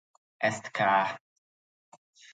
Ezt k